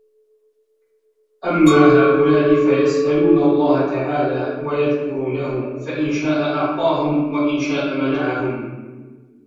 أَمَّا هَؤُلَاءِ فَيَسْأَلُونَ اللَّهَ تَعَالَى وَيَذْكُرُونَهُ فَإِنْ شَاءَ أَعْطَاهُمْ وَإِنْ شَاءَ مَنَعَهُمْ